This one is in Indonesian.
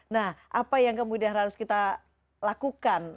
nah apa yang kemudian harus kita lakukan